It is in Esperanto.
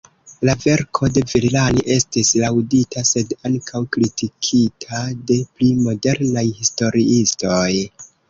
La verko de Villani estis laŭdita, sed ankaŭ kritikita de pli modernaj historiistoj.